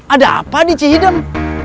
ada apa di cihideng